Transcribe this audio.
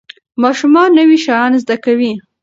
ماشومان نوي شیان زده کوي.